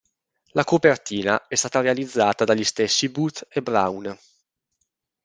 La copertina è stata realizzata dagli stessi Booth e Brown.